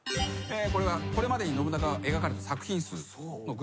これはこれまでに信長が描かれた作品数のグラフ。